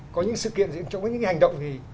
có những sự kiện những hành động